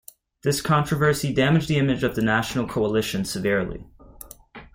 This controversy damaged the image of the National Coalition severely.